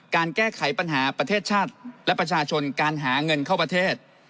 การแก้ไขปัญหาประเทศชาติและประชาชนการหาเงินเข้าประเทศ